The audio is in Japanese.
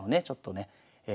ちょっとね